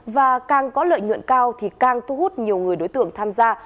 và càng có lợi nhuận cao thì càng thu hút nhiều người đối tượng tham gia